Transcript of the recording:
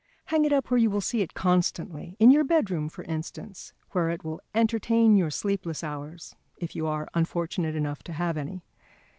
Hang it up where you will see it constantly; in your bedroom, for instance, where it will entertain your sleepless hours, if you are unfortunate enough to have any.